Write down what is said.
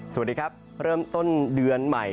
สวัสดีครับเริ่มต้นเดือนใหม่